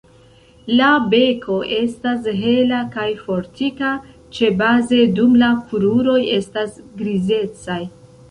La beko estas hela kaj fortika ĉebaze dum la kruroj estas grizecaj.